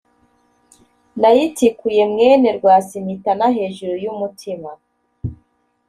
Nayitikuye mwene Rwasimitana hejuru y'umutima